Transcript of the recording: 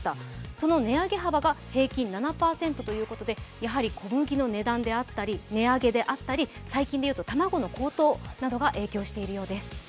その値上げ幅が平均７％ということでやはり小麦の値上げであったり最近で言うと卵の高騰などが影響しているようです。